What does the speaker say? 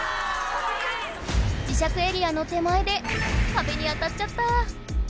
磁石エリアの手前でかべに当たっちゃった。